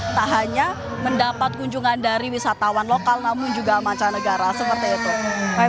tak hanya mendapat kunjungan dari wisatawan lokal namun juga mancanegara seperti itu